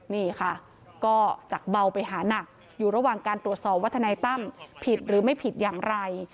นี่ค่ะก็จากเบาไปหานักอยู่ระหว่างการตรวจสอบว่าทนายตั้มผิดหรือไม่ผิดอย่างไร